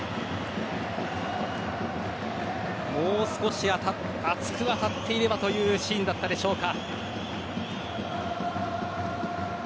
もう少し厚く当たっていればというシーンだったでしょうか。